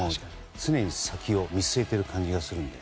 常に先を見据えている感じがするので。